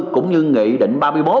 cũng như nghị định ba mươi một